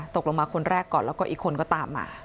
ตกลงมาคนแรกก่อนแล้วก็อีกคนก็ตามมา